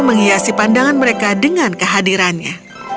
menghiasi pandangan mereka dengan kehadirannya